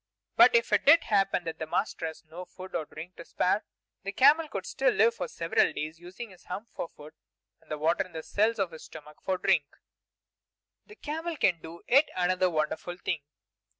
But if it did happen that his master had no food or drink to spare, the camel could still live for several days, using his hump for food, and the water in the cells of his stomach for drink. The camel can do yet another wonderful thing.